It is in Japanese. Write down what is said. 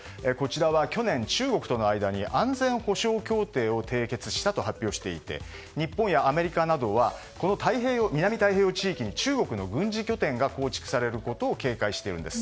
去年、中国との間に安全保障協定を締結したと発表していて日本やアメリカなどは南太平洋地域に中国の軍事拠点が構築されることを警戒しているんです。